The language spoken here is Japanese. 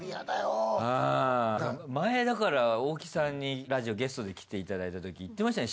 前だから大木さんにラジオゲストで来ていただいたとき言ってましたよね